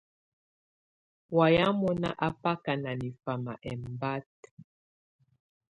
Wayɛ̀á mɔnà á bakà ná nɛfama ɛmbata.